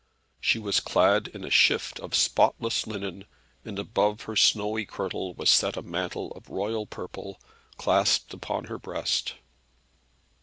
She was clad in a shift of spotless linen, and above her snowy kirtle was set a mantle of royal purple, clasped upon her breast.